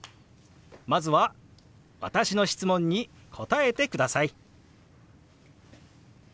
まずは私の質問に答えてください。